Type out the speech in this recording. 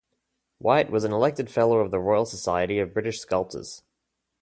White was an elected Fellow of the Royal Society of British Sculptors.